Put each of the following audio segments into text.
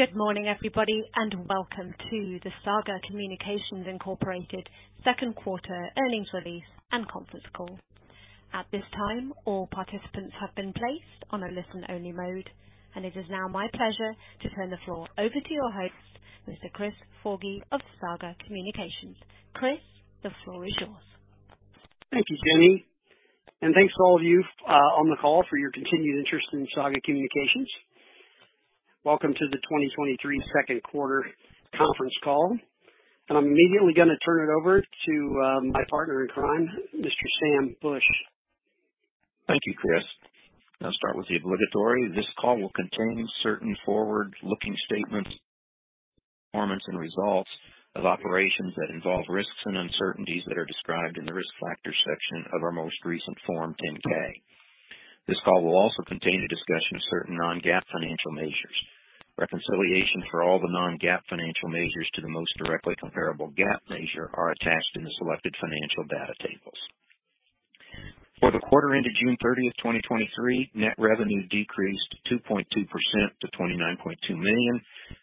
Good morning, everybody, and welcome to the Saga Communications Incorporated second quarter earnings release and conference call. At this time, all participants have been placed on a listen-only mode, and it is now my pleasure to turn the floor over to your host, Mr. Chris Forgy of Saga Communications. Chris, the floor is yours. Thank you, Jenny, and thanks to all of you on the call for your continued interest in Saga Communications. Welcome to the 2023 second quarter conference call. I'm immediately going to turn it over to my partner in crime, Mr. Sam Bush. Thank you, Chris. I'll start with the obligatory. This call will contain certain forward-looking statements, performance, and results of operations that involve risks and uncertainties that are described in the Risk Factors section of our most recent Form 10-K. This call will also contain a discussion of certain non-GAAP financial measures. Reconciliation for all the non-GAAP financial measures to the most directly comparable GAAP measure are attached in the selected financial data tables. For the quarter ended June 30th, 2023, net revenue decreased 2.2% to $29.2 million,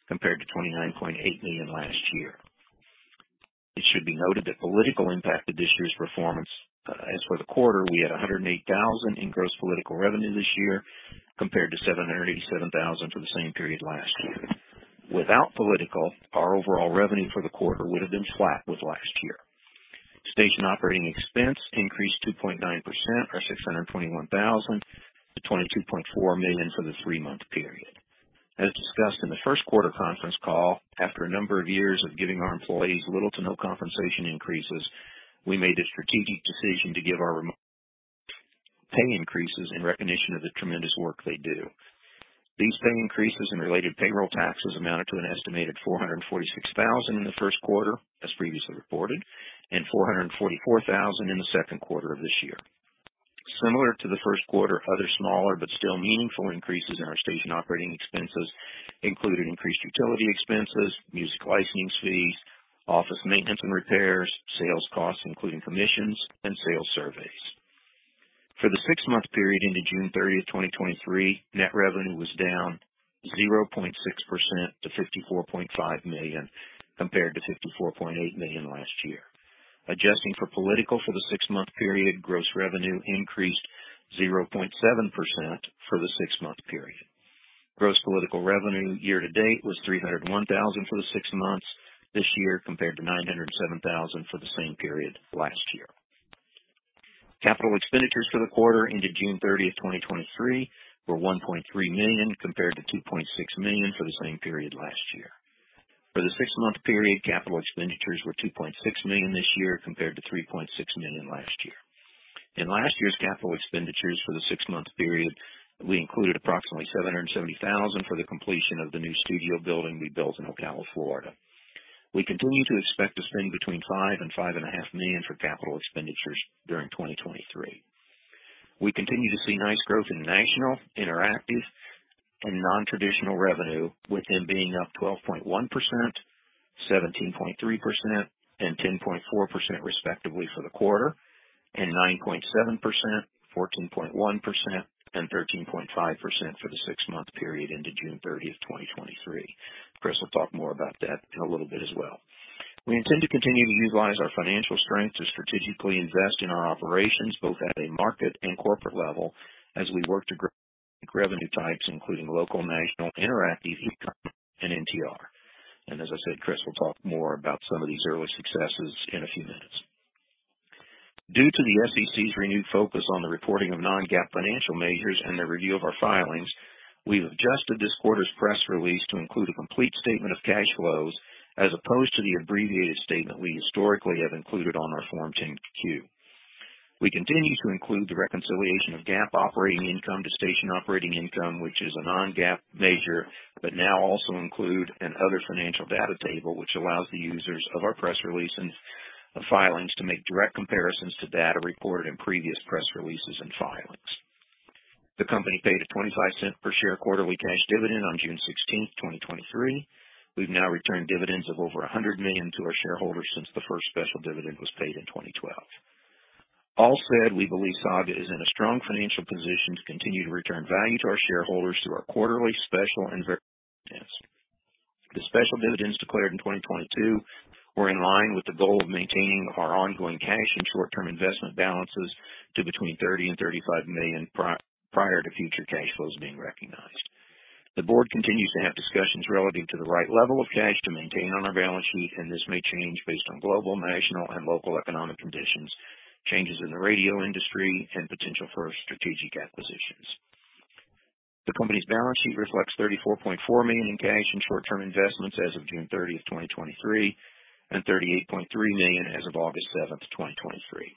compared to $29.8 million last year. It should be noted that political impacted this year's performance. As for the quarter, we had $108,000 in gross political revenue this year, compared to $787,000 for the same period last year. Without political, our overall revenue for the quarter would have been flat with last year. Station operating expense increased 2.9% or $621,000 million-$22.4 million for the three month period. As discussed in the first quarter conference call, after a number of years of giving our employees little to no compensation increases, we made a strategic decision to give our remote pay increases in recognition of the tremendous work they do. These pay increases and related payroll taxes amounted to an estimated $446,000 in the first quarter, as previously reported, and $444,000 in the second quarter of this year. Similar to the first quarter, other smaller but still meaningful increases in our station operating expenses included increased utility expenses, music licensing fees, office maintenance and repairs, sales costs, including commissions and sales surveys. For the six month period ended June 30, 2023, net revenue was down 0.6% to $54.5 million, compared to $54.8 million last year. Adjusting for political for the six-month period, gross revenue increased 0.7% for the six month period. Gross political revenue year to date was $301,000 for the six months this year, compared to $907,000 for the same period last year. Capital expenditures for the quarter ended June 30, 2023, were $1.3 million, compared to $2.6 million for the same period last year. For the six-month period, capital expenditures were $2.6 million this year, compared to $3.6 million last year. In last year's capital expenditures for the six-month period, we included approximately $770,000 for the completion of the new studio building we built in Ocala, Florida. We continue to expect to spend between $5 million and $5.5 million for capital expenditures during 2023. We continue to see nice growth in national, interactive, and nontraditional revenue, with them being up 12.1%, 17.3%, and 10.4% respectively for the quarter, and 9.7%, 14.1%, and 13.5% for the six-month period ended June 13th, 2023. Chris will talk more about that in a little bit as well. We intend to continue to utilize our financial strength to strategically invest in our operations, both at a market and corporate level, as we work to grow revenue types including local, national, interactive, e-commerce, and NTR. As I said, Chris will talk more about some of these early successes in a few minutes. Due to the SEC's renewed focus on the reporting of non-GAAP financial measures and their review of our filings, we've adjusted this quarter's press release to include a complete statement of cash flows as opposed to the abbreviated statement we historically have included on our Form 10-Q. We continue to include the reconciliation of GAAP operating income to station operating income, which is a non-GAAP measure, but now also include an other financial data table, which allows the users of our press release and filings to make direct comparisons to data reported in previous press releases and filings. The company paid a $0.25 per share quarterly cash dividend on June 16th, 2023. We've now returned dividends of over $100 million to our shareholders since the first special dividend was paid in 2012. All said, we believe Saga is in a strong financial position to continue to return value to our shareholders through our quarterly, special, and variable dividends. The special dividends declared in 2022 were in line with the goal of maintaining our ongoing cash and short-term investment balances to between $30 million and $35 million prior to future cash flows being recognized. The board continues to have discussions relative to the right level of cash to maintain on our balance sheet, and this may change based on global, national, and local economic conditions, changes in the radio industry, and potential for strategic acquisitions. The company's balance sheet reflects $34.4 million in cash and short-term investments as of June 30th, 2023, and $38.3 million as of August 7th, 2023.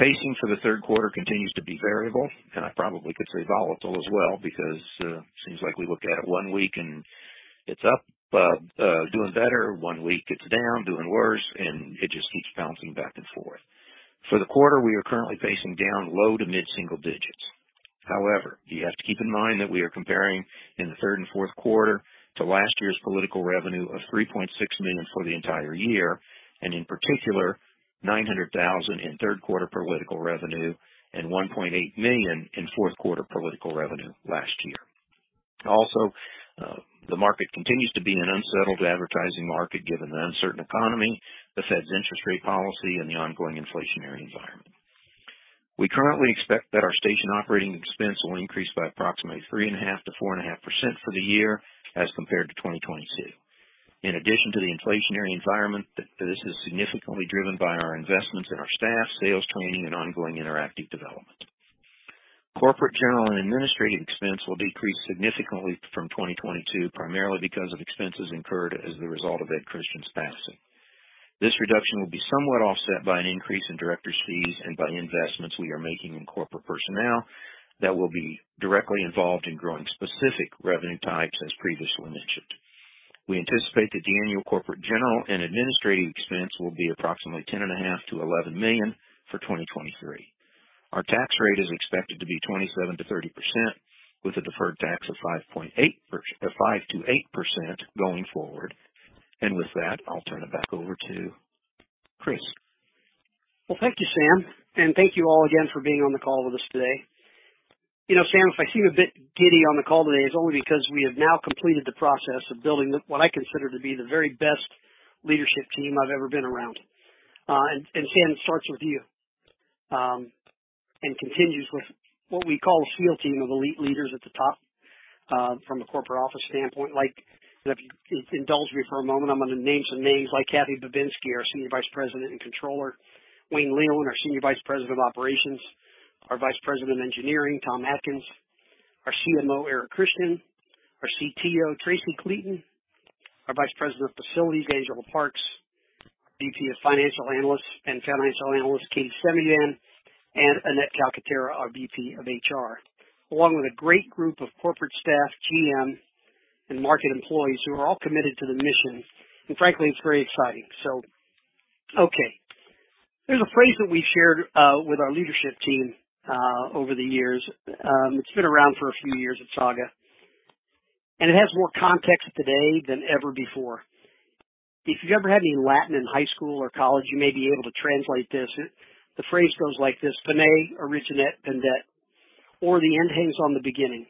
Facing for the third quarter continues to be variable, and I probably could say volatile as well because seems like we look at it one week and it's up doing better. One week it's down, doing worse, and it just keeps bouncing back and forth. For the quarter, we are currently facing down low to mid-single digits. However, you have to keep in mind that we are comparing in the third and fourth quarter. to last year's political revenue of $3.6 million for the entire year, and in particular, $900,000 in third quarter political revenue and $1.8 million in fourth quarter political revenue last year. Also, the market continues to be an unsettled advertising market, given the uncertain economy, the Fed's interest rate policy, and the ongoing inflationary environment. We currently expect that our station operating expense will increase by approximately 3.5%-4.5% for the year as compared to 2022. In addition to the inflationary environment, this is significantly driven by our investments in our staff, sales training, and ongoing interactive development. Corporate, general, and administrative expense will decrease significantly from 2022, primarily because of expenses incurred as the result of Ed Christian's passing. This reduction will be somewhat offset by an increase in directors' fees and by investments we are making in corporate personnel that will be directly involved in growing specific revenue types, as previously mentioned. We anticipate that the annual corporate, general, and administrative expense will be approximately $10.5 million-$11 million for 2023. Our tax rate is expected to be 27%-30%, with a deferred tax of 5.8%-8% going forward. With that, I'll turn it back over to Chris. Well, thank you, Sam, thank you all again for being on the call with us today. You know, Sam, if I seem a bit giddy on the call today, it's only because we have now completed the process of building what I consider to be the very best leadership team I've ever been around. Sam, it starts with you, and continues with what we call a seal team of elite leaders at the top, from a corporate office standpoint. Like, if you indulge me for a moment, I'm gonna name some names like Cathy Bobinski, our Senior Vice President and Controller, Wayne Leland, our Senior Vice President of Operations, our Vice President of Engineering, Tom Atkins, our CMO, Eric Christian, our CTO, Tracy Cleeton, our Vice President of Facilities, Angela Parks, VP of Financial Analysts and Financial Analyst, Katherine Semivan, and Annette Calcaterra, our VP of HR, along with a great group of corporate staff, GMs, and market employees who are all committed to the mission. Frankly, it's very exciting. Okay. There's a phrase that we've shared with our leadership team over the years. It's been around for a few years at Saga, and it has more context today than ever before. If you ever had any Latin in high school or college, you may be able to translate this. The phrase goes like this, "Finis origine pendet," or, "The end hangs on the beginning."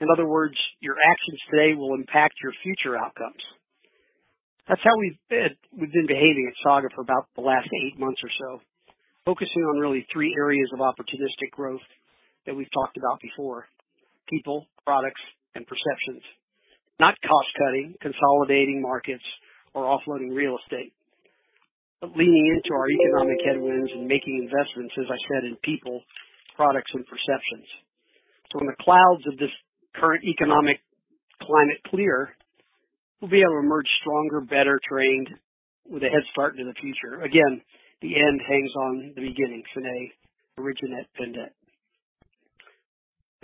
In other words, your actions today will impact your future outcomes. That's how we've been, we've been behaving at Saga for about the last eight months or so, focusing on really three areas of opportunistic growth that we've talked about before: people, products, and perceptions. Not cost-cutting, consolidating markets, or offloading real estate, but leaning into our economic headwinds and making investments, as I said, in people, products, and perceptions. When the clouds of this current economic climate clear, we'll be able to emerge stronger, better trained, with a head start into the future. Again, the end hangs on the beginning. Finis origine pendet.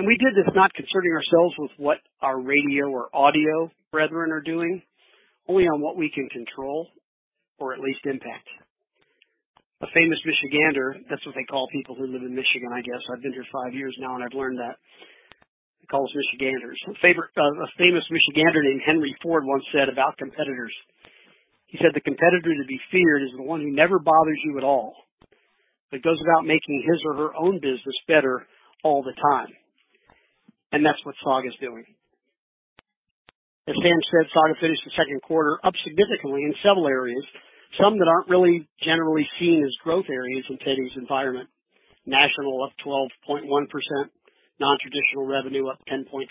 We did this not concerning ourselves with what our radio or audio brethren are doing, only on what we can control or at least impact. A famous Michigander, that's what they call people who live in Michigan, I guess. I've been here five years now, and I've learned that. It calls Michiganders. A famous Michigander named Henry Ford once said about competitors. He said, "The competitor to be feared is the one who never bothers you at all, but goes about making his or her own business better all the time." That's what Saga is doing. As Sam said, Saga finished the second quarter up significantly in several areas, some that aren't really generally seen as growth areas in today's environment. National, up 12.1%, nontraditional revenue up 10.4%,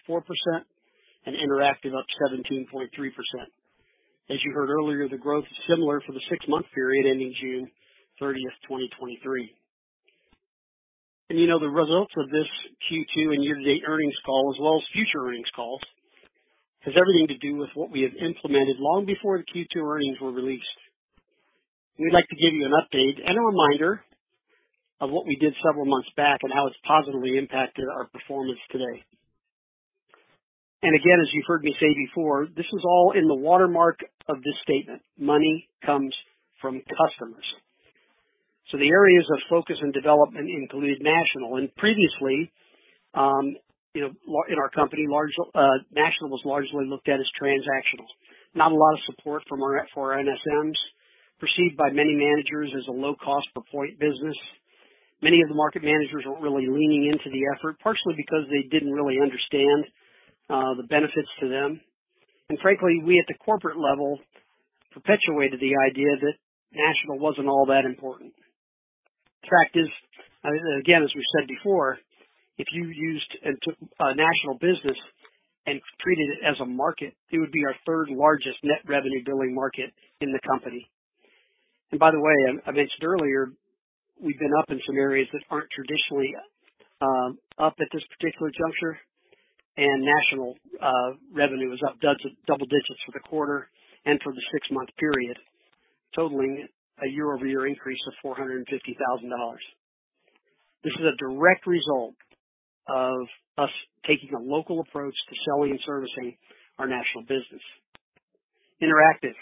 and interactive up 17.3%. As you heard earlier, the growth is similar for the six month period ending June 30th, 2023. You know, the results of this Q2 and year-to-date earnings call, as well as future earnings calls, has everything to do with what we have implemented long before the Q2 earnings were released. We'd like to give you an update and a reminder of what we did several months back and how it's positively impacted our performance today. Again, as you've heard me say before, this is all in the watermark of this statement: Money comes from customers. The areas of focus and development included national, and previously, you know, in our company, large national was largely looked at as transactional. Not a lot of support from our, for our NSMs. Perceived by many managers as a low-cost per point business. Many of the market managers weren't really leaning into the effort, partially because they didn't really understand the benefits to them. Frankly, we at the corporate level perpetuated the idea that national wasn't all that important. Fact is, again, as we said before, if you used and took national business and treated it as a market, it would be our third largest net revenue-building market in the company. By the way, I mentioned earlier, we've been up in some areas that aren't traditionally up at this particular juncture, and national revenue was up dug double digits for the quarter and for the six month period, totaling a year-over-year increase of $450,000. This is a direct result of us taking a local approach to selling and servicing our national business. Interactive.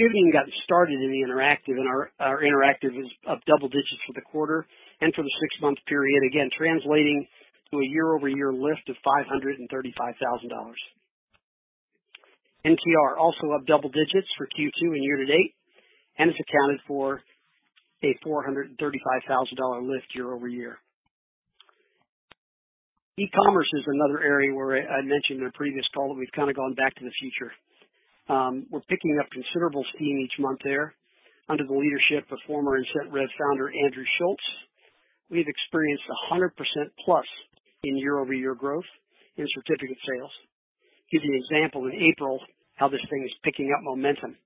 We haven't even gotten started in the interactive, our, our interactive is up double digits for the quarter and for the six-month period, again, translating to a year-over-year lift of $535,000. NPR also up double digits for Q2 and year to date, it's accounted for a $435,000 lift year over year. E-commerce is another area where I mentioned in a previous call that we've kind of gone back to the future. We're picking up considerable steam each month there under the leadership of former Incentrev founder, Andrew Schulze. We've experienced 100%+ in year-over-year growth in certificate sales. Give you an example, in April, how this thing is picking up momentum.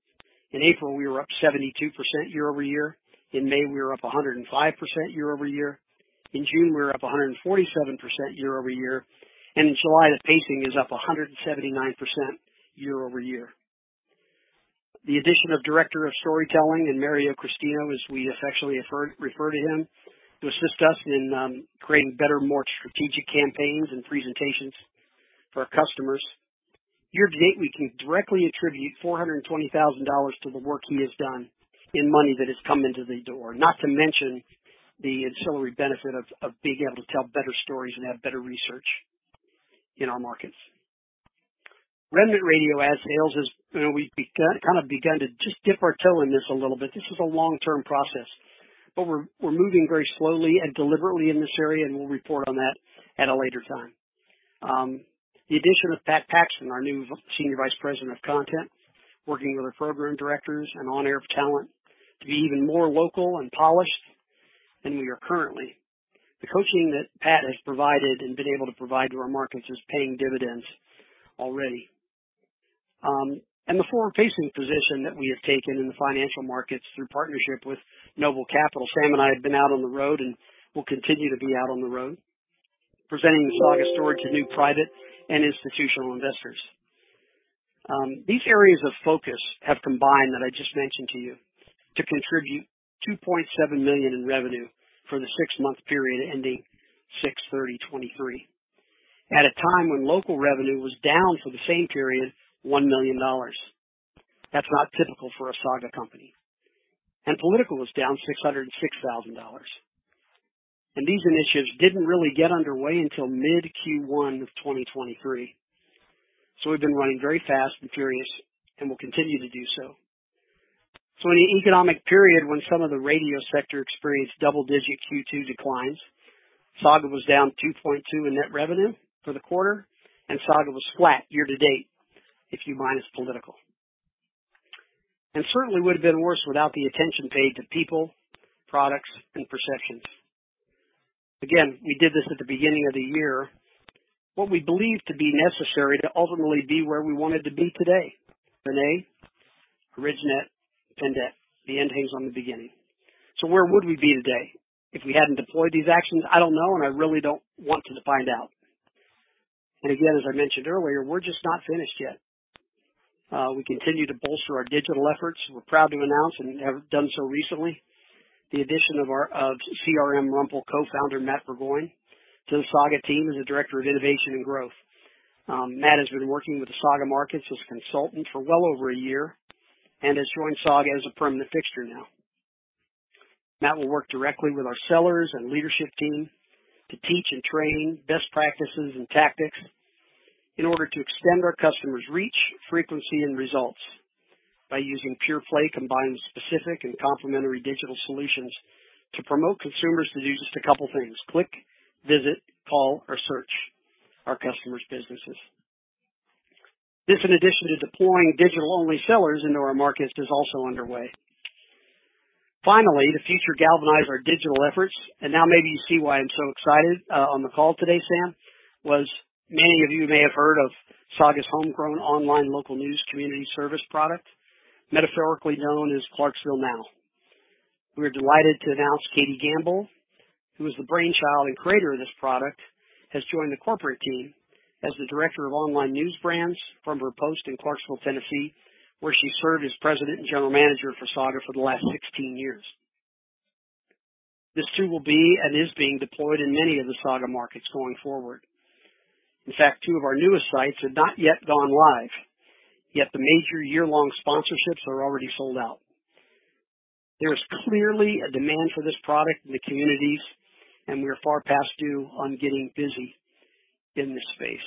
In April, we were up 72% year over year. In May, we were up 105% year over year. In June, we were up 147% year-over-year, and in July, the pacing is up 179% year-over-year. The addition of Director of Storytelling and Mario Christino, as we affectionately refer to him, to assist us in creating better, more strategic campaigns and presentations for our customers. Year-to-date, we can directly attribute $420,000 to the work he has done in money that has come into the door, not to mention the ancillary benefit of being able to tell better stories and have better research in our markets. Remnant Radio ad sales is, you know, we've kind of begun to just dip our toe in this a little bit. This is a long-term process, but we're moving very slowly and deliberately in this area, and we'll report on that at a later time. The addition of Pat Paxton, our new Senior Vice President of Content, working with our program directors and on-air talent to be even more local and polished than we are currently. The coaching that Pat has provided and been able to provide to our markets is paying dividends already. The forward-facing position that we have taken in the financial markets through partnership with Noble Capital. Sam and I have been out on the road and will continue to be out on the road, presenting the Saga story to new private and institutional investors. These areas of focus have combined, that I just mentioned to you, to contribute $2.7 million in revenue for the six-month period ending June 30, 2023. At a time when local revenue was down for the same period, $1 million. That's not typical for a Saga company. Political was down $606,000. These initiatives didn't really get underway until mid Q1 of 2023. We've been running very fast and furious and will continue to do so. In an economic period when some of the radio sector experienced double-digit Q2 declines, Saga was down 2.2 in net revenue for the quarter, and Saga was flat year-to-date, if you minus political. Certainly would have been worse without the attention paid to people, products, and perceptions. Again, we did this at the beginning of the year, what we believed to be necessary to ultimately be where we wanted to be today. Renee origine pendet, the end hangs on the beginning. Where would we be today if we hadn't deployed these actions? I don't know, and I really don't want to find out. Again, as I mentioned earlier, we're just not finished yet. We continue to bolster our digital efforts. We're proud to announce, and have done so recently, the addition of our, of CRM Rumple co-founder, Matt Burgoyne, to the Saga team as the Director of Innovation and Growth. Matt has been working with the Saga Markets as a consultant for well over a year and has joined Saga as a permanent fixture now. Matt will work directly with our sellers and leadership team to teach and train best practices and tactics in order to extend our customers' reach, frequency, and results by using pure play, combining specific and complementary digital solutions to promote consumers to do just a couple things: click, visit, call, or search our customers' businesses. This, in addition to deploying digital-only sellers into our markets, is also underway. Finally, to future galvanize our digital efforts, and now maybe you see why I'm so excited, on the call today, Sam, was many of you may have heard of Saga's homegrown online local news community service product, metaphorically known as Clarksville Now. We are delighted to announce Katie Gambill, who is the brainchild and creator of this product, has joined the corporate team as the Director of Online News Brands from her post in Clarksville, Tennessee, where she served as President and General Manager for Saga for the last 16 years. This, too, will be and is being deployed in many of the Saga markets going forward. In fact, two of our newest sites have not yet gone live, yet the major year-long sponsorships are already sold out. There is clearly a demand for this product in the communities, and we are far past due on getting busy in this space.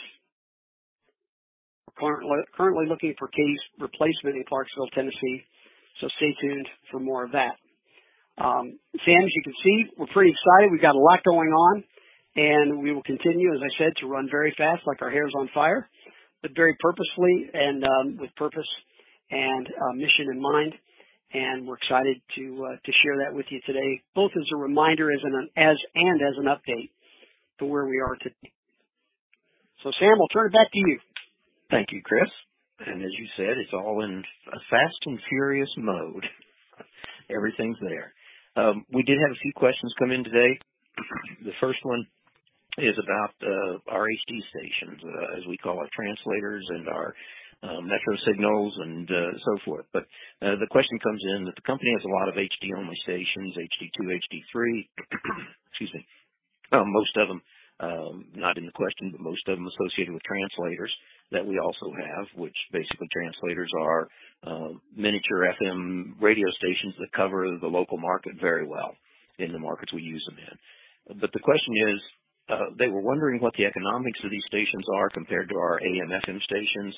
We're currently, currently looking for Katie's replacement in Clarksville, Tennessee, stay tuned for more of that. Sam, as you can see, we're pretty excited. We've got a lot going on, and we will continue, as I said, to run very fast, like our hair's on fire, but very purposefully and with purpose and mission in mind. We're excited to share that with you today, both as a reminder, and as an update to where we are today. Sam, I'll turn it back to you. Thank you, Chris. As you said, it's all in a fast and furious mode. Everything's there. We did have a few questions come in today. The first one is about our HD stations, as we call our translators and our metro signals and so forth. The question comes in that the company has a lot of HD-only stations, HD2, HD3. Most of them, not in the question, but most of them associated with translators that we also have, which basically translators are miniature FM radio stations that cover the local market very well in the markets we use them in. The question is, they were wondering what the economics of these stations are compared to our AM/FM stations.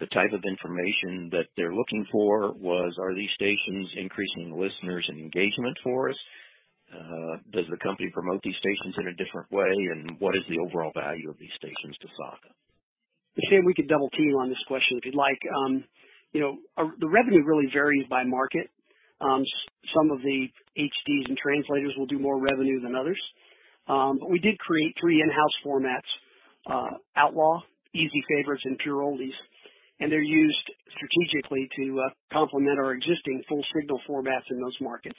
The type of information that they're looking for was, are these stations increasing the listeners and engagement for us? Does the company promote these stations in a different way, and what is the overall value of these stations to Saga? Sam, we could double team on this question, if you'd like. You know, the revenue really varies by market. Some of the HDs and translators will do more revenue than others. We did create three in-house formats, Outlaw, Easy Favorites, and Pure Oldies, and they're used strategically to complement our existing full signal formats in those markets.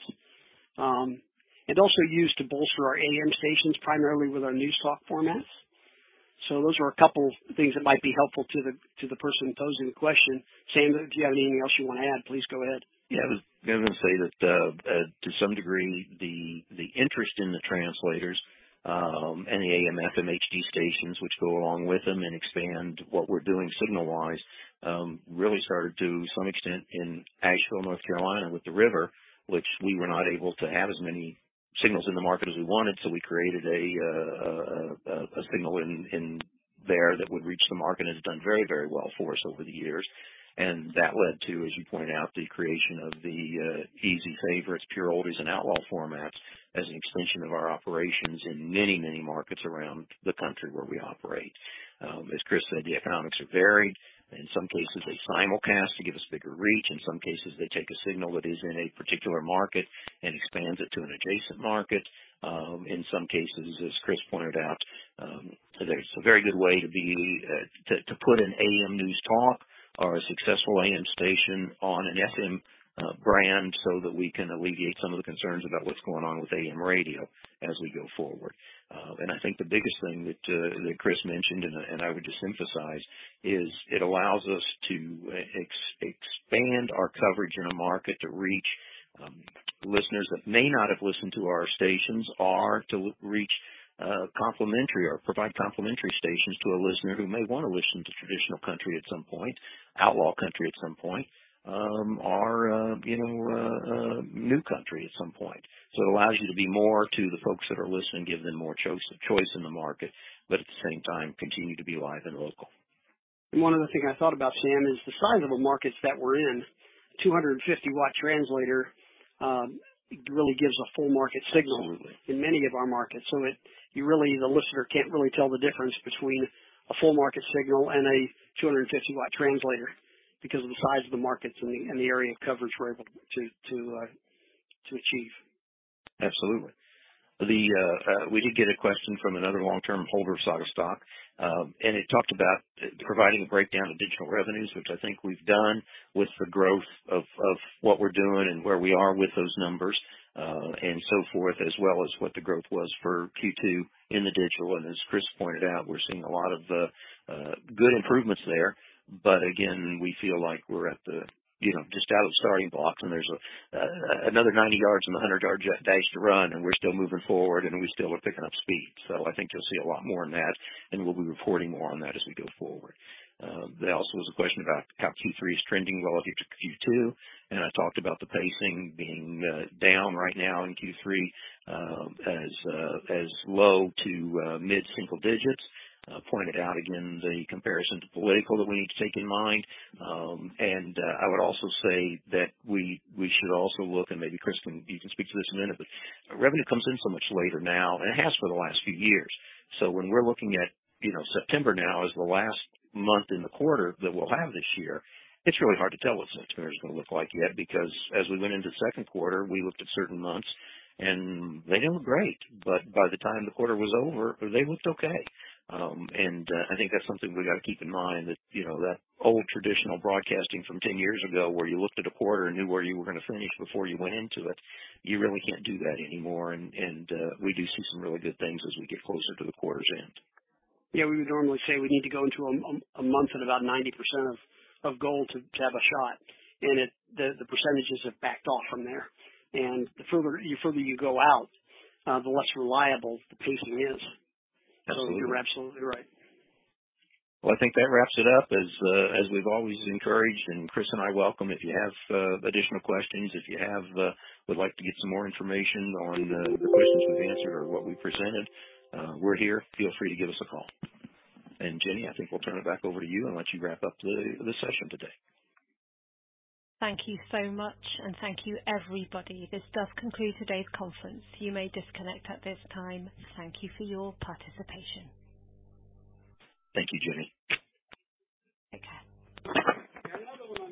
Also used to bolster our AM stations, primarily with our news talk formats. Those are a couple things that might be helpful to the, to the person posing the question. Sam, if you have anything else you want to add, please go ahead. Yeah. I was going to say that to some degree, the interest in the translators and the AM/FM HD stations, which go along with them and expand what we're doing signal wise, really started to some extent in Asheville, North Carolina, with The River, which we were not able to have as many signals in the market as we wanted. We created a signal in there that would reach the market and has done very, very well for us over the years. That led to, as you pointed out, the creation of the Easy Favorites, Pure Oldies, and Outlaw formats as an extension of our operations in many, many markets around the country where we operate. As Chris said, the economics are varied. In some cases, they simulcast to give us bigger reach. In some cases, they take a signal that is in a particular market and expands it to an adjacent market. In some cases, as Chris pointed out, there's a very good way to be, to, to put an AM news talk or a successful AM station on an FM, brand, so that we can alleviate some of the concerns about what's going on with AM radio as we go forward. I think the biggest thing that Chris mentioned, and I, and I would just emphasize, is it allows us to expand our coverage in a market to reach listeners that may not have listened to our stations, or to reach complementary or provide complementary stations to a listener who may want to listen to traditional country at some point, Outlaw country at some point, you know, new country at some point. It allows you to be more to the folks that are listening, give them more choice, choice in the market, but at the same time continue to be live and local. One other thing I thought about, Sam, is the size of the markets that we're in. 250 W translator, really gives a full market signal- Absolutely. In many of our markets. It, you really, the listener can't really tell the difference between a full market signal and a 250 W translator because of the size of the markets and the, and the area of coverage we're able to, to achieve. Absolutely. The, we did get a question from another long-term holder of Saga stock. It talked about providing a breakdown of digital revenues, which I think we've done with the growth of, of what we're doing and where we are with those numbers, and so forth, as well as what the growth was for Q2 in the digital. As Chris pointed out, we're seeing a lot of good improvements there. Again, we feel like we're at the, you know, just out of the starting blocks, and there's another 90 yards in a 100 yard dash to run, and we're still moving forward, and we still are picking up speed. I think you'll see a lot more on that, and we'll be reporting more on that as we go forward. There also was a question about how Q3 is trending relative to Q2, and I talked about the pacing being down right now in Q3 as low to mid-single digits. Pointed out again, the comparison to political that we need to take in mind. And I would also say that we, we should also look and maybe, Chris, can you can speak to this in a minute, but revenue comes in so much later now, and it has for the last few years. When we're looking at, you know, September now as the last month in the quarter that we'll have this year, it's really hard to tell what September is going to look like yet, because as we went into the second quarter, we looked at certain months and they didn't look great, but by the time the quarter was over, they looked okay. I think that's something we got to keep in mind, that, you know, that old traditional broadcasting from 10 years ago, where you looked at a quarter and knew where you were going to finish before you went into it, you really can't do that anymore. And we do see some really good things as we get closer to the quarter's end. Yeah, we would normally say we need to go into a, a, a month at about 90% of, of goal to, to have a shot. The, the percentages have backed off from there. The further, the further you go out, the less reliable the pacing is. Absolutely. You're absolutely right. Well, I think that wraps it up. As, as we've always encouraged, and Chris and I welcome, if you have additional questions, if you have, would like to get some more information on the questions we've answered or what we presented, we're here. Feel free to give us a call. Jenny, I think we'll turn it back over to you and let you wrap up the, the session today. Thank you so much, and thank you, everybody. This does conclude today's conference. You may disconnect at this time. Thank you for your participation. Thank you, Jenny. Take care.